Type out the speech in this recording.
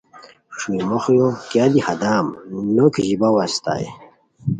چھوئی موخیو کیہ دی ہدام نو کیژیباؤ استائے